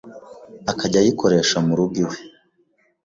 akajya ayikoresha mu rugo iwe.